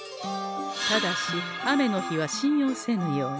ただし雨の日は信用せぬように。